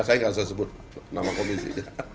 saya nggak usah sebut nama komisi